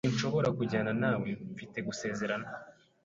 Sinshobora kujyana nawe. Mfite gusezerana.